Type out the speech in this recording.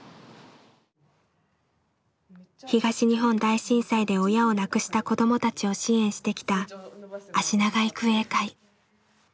東日本大震災で親を亡くした子どもたちを支援してきた「あしなが育英会」。